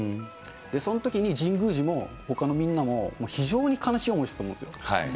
そのときに、神宮寺もほかのみんなも、非常に悲しい思いしたと思うんですよ。